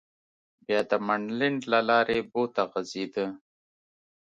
بیا د منډلنډ له لارې بو ته غځېده.